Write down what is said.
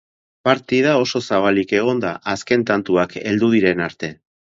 Partida oso zabalik egon da azken tantuak heldu diren arte.